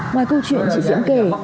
ngoài câu chuyện chị diễm kể